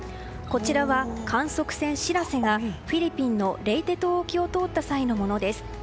こちらは観測船「しらせ」がフィリピンのレイテ島沖を通った際のものです。